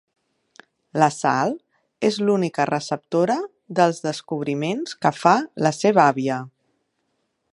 La Sal és l'única receptora dels descobriments que fa la seva àvia.